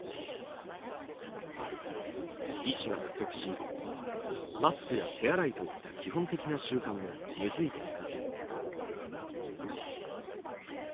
医師が不足しマスクや手洗いといった基本的な習慣も根づいていません。